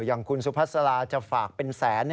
อย่างคุณสุภาษาลาจะฝากเป็นแสน